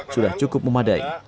sudah cukup memadai